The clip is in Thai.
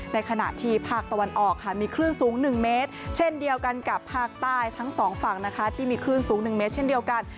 ในขณะที่ภาคตะวันออกค่ะมีคลื่นสูง๑เมตรเช่นเดียวกันกับภาคใต้ทั้งสองฝั่งนะคะที่มีคลื่นสูง๑เมตรเช่นเดียวกัน